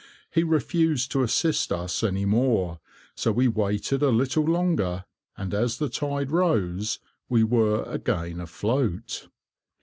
He refused to assist us any more, so we waited a little longer, and as the tide rose, we were again afloat.